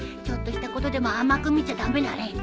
ちょっとしたことでも甘く見ちゃ駄目だね。